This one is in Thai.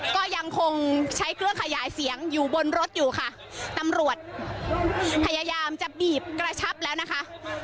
ก็ยังคงใช้เครื่องขยายเสียงอยู่บนรถอยู่ค่ะตำรวจพยายามจะบีบกระชับแล้วนะคะ